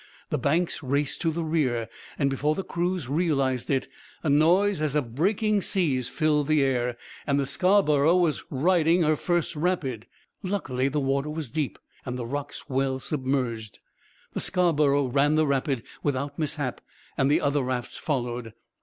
The banks raced to the rear, and before the crews realized it, a noise as of breaking seas filled the air, and the Scarborough was riding her first rapid. Luckily, the water was deep and the rocks well submerged. The Scarborough ran the rapid without mishap and the other rafts followed.